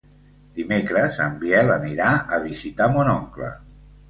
Dimecres en Biel anirà a visitar mon oncle.